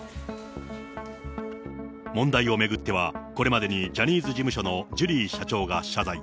問題を巡っては、これまでにジャニーズ事務所のジュリー社長が謝罪。